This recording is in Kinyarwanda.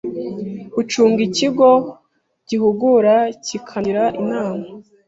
Gucunga ikigo gihugura kikanagira inama